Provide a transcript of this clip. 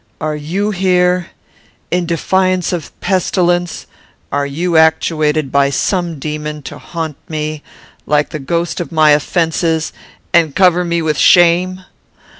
Are you here? In defiance of pestilence, are you actuated by some demon to haunt me, like the ghost of my offences, and cover me with shame?